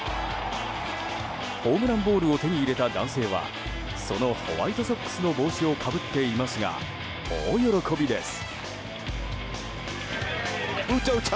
ホームランボールを手に入れた男性はそのホワイトソックスの帽子をかぶっていますが大喜びです。